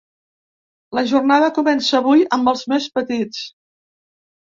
La jornada comença avui amb els més petits.